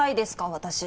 私。